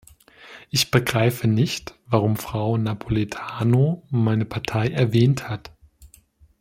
Ich begreife nicht, warum Frau Napoletano meine Partei erwähnt hat.